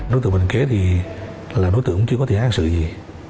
nối tượng bạch đình kế là nối tượng chưa có thiết án sự gì